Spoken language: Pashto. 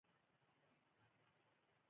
ایا زه باید پیزا وخورم؟